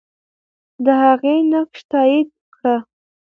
د هغې نقش تایید کړه.